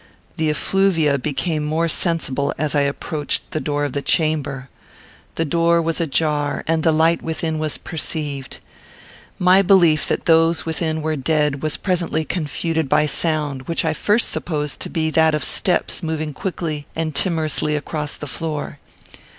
The effluvia became more sensible as I approached the door of the chamber. The door was ajar; and the light within was perceived. My belief that those within were dead was presently confuted by sound, which I first supposed to be that of steps moving quickly and timorously across the floor.